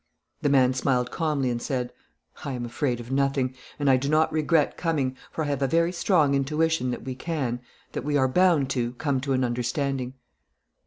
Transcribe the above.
The man smiled calmly and said: "I am afraid of nothing, and I do not regret coming, for I have a very strong intuition that we can, that we are bound to, come to an understanding."